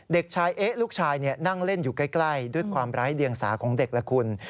เด็กชายเอ๊ะลูกชายนั่งเล่นอยู่ใกล้ด้วยความไร้เดียงสาของเด็กละคุณ